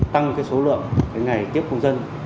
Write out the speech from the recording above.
tăng số lượng ngày tiếp công dân